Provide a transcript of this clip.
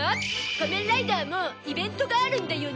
仮面ライダーもイベントがあるんだよね？